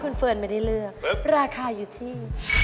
และราคาอยู่ที่